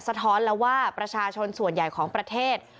ท้อนแล้วว่าประชาชนส่วนใหญ่ของประเทศ